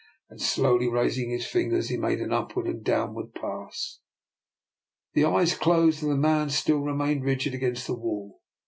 Then slowly raising his fingers he made an upward and a downward pass. The eyes closed, and yet the man still re mained rigid against the wall.